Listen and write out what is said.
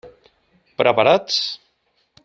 Preparats?